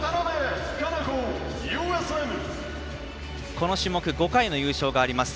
この種目５回の優勝があります